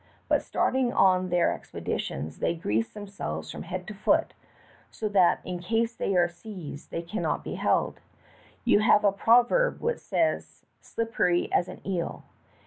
Before starting on their expeditions they grease themselves from head to foot, so that in case the3^ are seized they cannot be held. You have a proverb which says 'slippery as an eel.